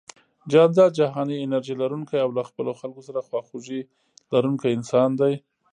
جانداد جهاني انرژي لرونکی او له خپلو خلکو سره خواخوږي لرونکی انسان دی